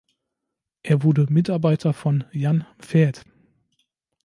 Er wurde Mitarbeiter von Jan Veth.